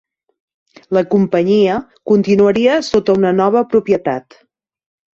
La companyia continuaria sota una nova propietat.